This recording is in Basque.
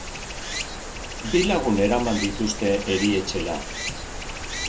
Bi lagun eraman dituzte erietxera.